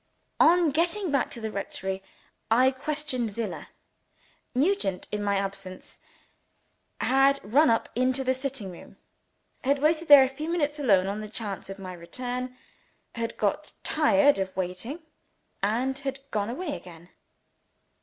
On getting back to the rectory, I questioned Zillah. Nugent, in my absence, had run up into the sitting room; had waited there a few minutes alone, on the chance of my return; had got tired of waiting, and had gone away again.